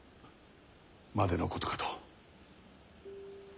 までのことかと。